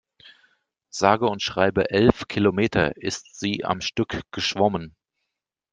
Sage und schreibe elf Kilometer ist sie am Stück geschwommen.